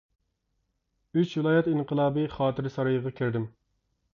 ئۈچ ۋىلايەت ئىنقىلابى خاتىرە سارىيىغا كىردىم.